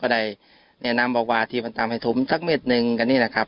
ก็ได้แนะนำบอกว่าที่มันตามให้ถุมสักเม็ดนึงกันเนี่ยนะครับ